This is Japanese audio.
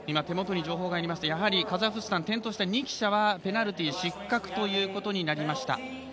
手元に情報が入りましてカザフスタン転倒したニキシャはペナルティー失格ということになりました。